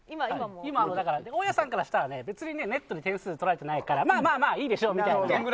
大矢さんからしたら、ネットで点数取られてないからまあまあ、１点くらいはいいでしょうみたいな。